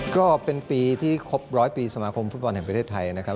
ก็เป็นปีที่ครบร้อยปีสมาคมฟุตบอลแห่งประเทศไทยนะครับ